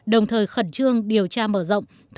đồng thời khẩn trương điều tra mở rộng